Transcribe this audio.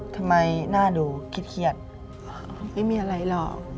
ผมไม่มีอะไรรอ